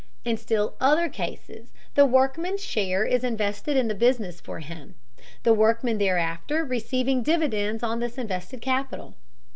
In still other cases the workman's share is invested in the business for him, the workman thereafter receiving dividends on this invested capital.